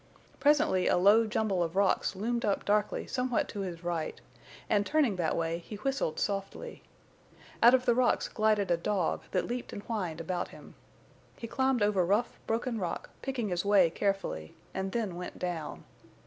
Presently a low jumble of rocks loomed up darkly somewhat to his right, and, turning that way, he whistled softly. Out of the rocks glided a dog that leaped and whined about him. He climbed over rough, broken rock, picking his way carefully, and then went down.